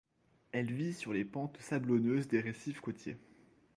Elle vit sur les pentes sablonneuses des récifs côtiers.